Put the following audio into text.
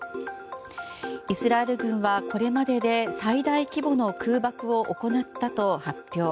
イスラエル軍はこれまでで最大規模の空爆を行ったと発表。